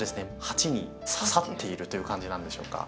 鉢にささっているという感じなんでしょうか。